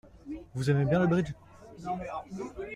Vous aimez bien le bridge?